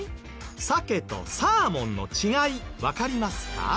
さけとサーモンの違いわかりますか？